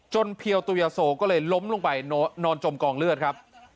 เพียวตัวยาโซก็เลยล้มลงไปนอนจมกองเลือดครับ